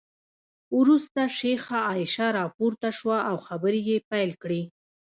وروسته شیخه عایشه راپورته شوه او خبرې یې پیل کړې.